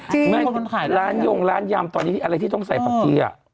ใช่ล้านยงล้านยำทีมงานต้องใส่ผักเบี้ย